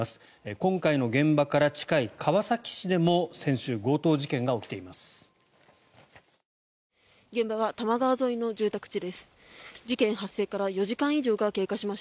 今回の現場から近い川崎市でも先週、強盗事件が起きています。